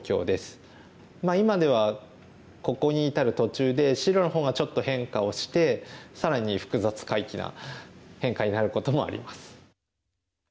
今ではここに至る途中で白の方がちょっと変化をして更に複雑怪奇な変化になることもあります。